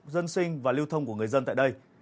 dân sinh và lưu thông của người dân tại đây